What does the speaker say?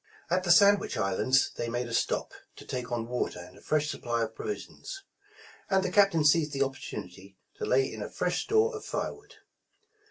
At the Sandwich Islands they made a stop, to take on water and a fresh supply of provisions, and the Cap tain seized the opportunity to lay in a fresh store of fire wood.